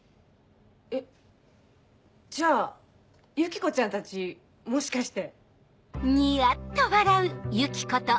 えっじゃあユキコちゃんたちもしかして。